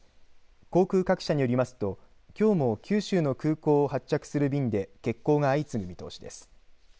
航空各社によりますときょうも九州の空港を発着する便で欠航が相次ぐ見通しです。